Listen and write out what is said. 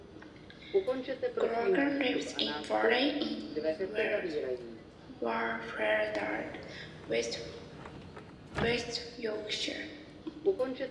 Grogan lives in Burley in Wharfedale, West Yorkshire.